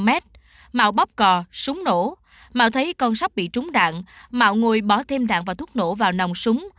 mạo bóp cò súng nổ mạo thấy con sóc bị trúng đạn mạo ngồi bỏ thêm đạn và thuốc nổ vào nòng súng